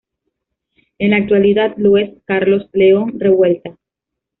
En la actualidad lo es Carlos León Revuelta.